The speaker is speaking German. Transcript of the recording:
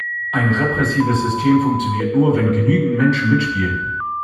Ein repressives System funktioniert nur, wenn genügend Menschen mitspielen.